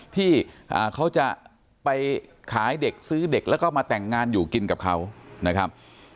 ที่เขาจะไปขายเด็กซื้อเด็กแล้วก็มาแต่งงานอยู่กินกับเขานะครับ